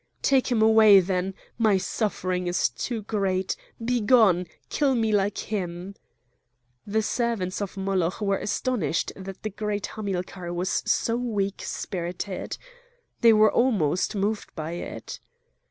"Take him away then! my suffering is too great! begone! kill me like him!" The servants of Moloch were astonished that the great Hamilcar was so weak spirited. They were almost moved by it.